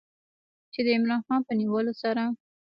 چې د عمران خان په نیولو سره